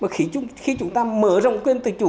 khi chúng ta mở rộng quyền tự chủ